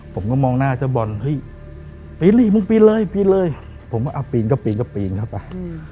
ผมก็มองหน้าเจ้าบอลปีนเลยผมอะปีนก็ปีนก็ปีนเข้าไป